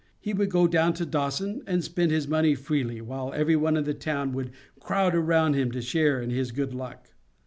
He would go down to Dawson, and spend his money freely, while every one in the town would crowd around him to share in his good luck.